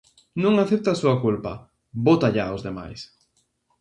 Non acepta a súa culpa: bótalla aos demais.